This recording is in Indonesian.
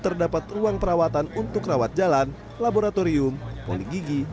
terdapat ruang perawatan untuk rawat jalan laboratorium poligigi